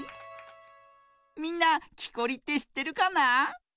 みんなきこりってしってるかな？